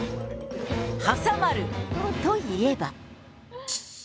挟まるといえば。